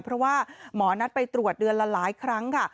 เพราะว่าหมอนัดไปตรวจเดือนละหลายครั้งค่ะ